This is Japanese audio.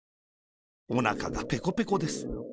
おなかがペコペコです。